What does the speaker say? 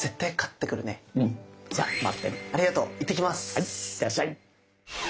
はいいってらっしゃい！